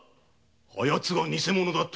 あやつがニセ者だったら！？